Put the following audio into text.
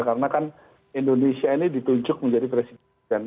karena kan indonesia ini ditunjuk menjadi presiden